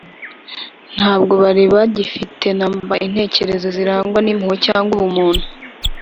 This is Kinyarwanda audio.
ntabwo bari bagifite na mba intekerezo zirangwa n’impuhwe cyangwa ubumuntu